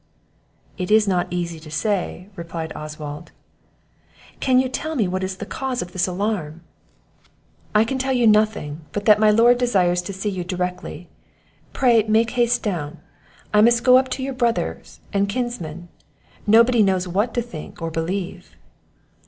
"It is not easy to say," replied Oswald. "Can you tell what is the cause of this alarm?" "I can tell you nothing, but that my lord desires to see you directly pray make haste down; I must go up to your brothers and kinsmen, nobody knows what to think, or believe."